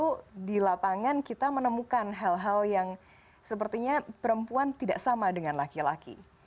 dan tentu di lapangan kita menemukan hal hal yang sepertinya perempuan tidak sama dengan laki laki